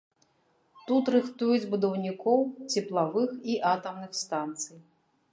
Тут рыхтуюць будаўнікоў цеплавых і атамных станцый.